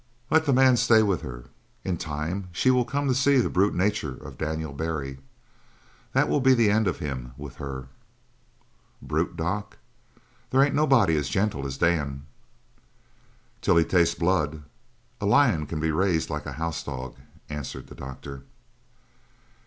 "Let the man stay with her. In time she will come to see the brute nature of Daniel Barry. That will be the end of him with her." "Brute. Doc. They ain't nobody as gentle as Dan!" "Till he tastes blood, a lion can be raised like a house dog," answered the doctor.